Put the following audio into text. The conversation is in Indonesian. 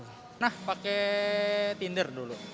pernah pakai tinder dulu